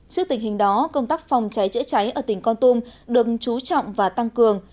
trước tình hình đó công tác phòng cháy chữa cháy ở tỉnh con tum được chú trọng và tăng cường